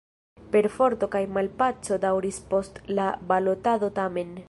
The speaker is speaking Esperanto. Perforto kaj malpaco daŭris post la balotado tamen.